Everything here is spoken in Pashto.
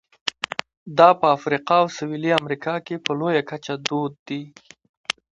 دا په افریقا او سوېلي امریکا کې په لویه کچه دود دي.